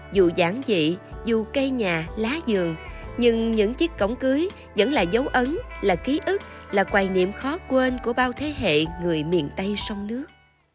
dù giản dị dù cây nhà lá giường nhưng những chiếc cổng cưới vẫn là dấu ấn là ký ức là quài niệm khó quên của bao thế hệ người miền tây sông nước